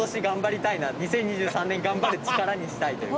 ２０２３年頑張る力にしたいという。